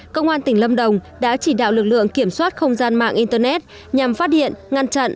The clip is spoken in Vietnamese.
công an tỉnh lâm đồng đã chỉ đạo lực lượng kiểm soát không gian mạng internet nhằm phát hiện ngăn chặn